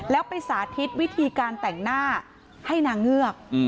แล้วไปสาธิตวิธีการแต่งหน้าให้นางเงือก